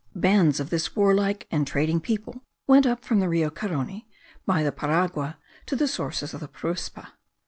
Bands of this warlike and trading people went up from the Rio Carony, by the Paragua, to the sources of the Paruspa.